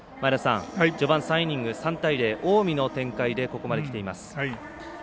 序盤、３イニング、３対０近江の展開でここまできています。